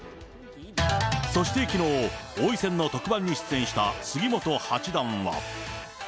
そしてきのう、王位戦の特番に出演した杉本八段は。